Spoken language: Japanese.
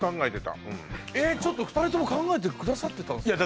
うんちょっと２人とも考えてくださってたんですね